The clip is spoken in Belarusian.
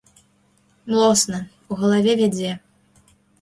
Млосна, у галаве вядзе.